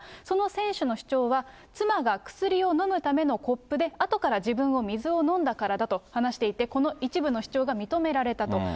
その選手の主張は、妻が薬を飲むためのコップであとから自分も水を飲んだからだと話していて、この一部の主張が認められたと。